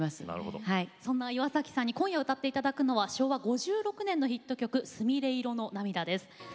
岩崎さんに今夜歌っていただくのは昭和５６年のヒット曲「すみれ色の涙」です。